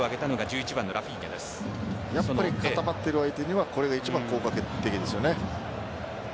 やはり固まってる相手にはこれが一番効果的ですよね。